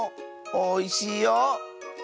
おいしいよ！